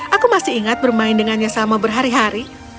aku masih ingat bermain dengannya selama berhari hari